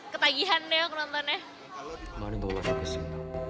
ketagihan deh aku nontonnya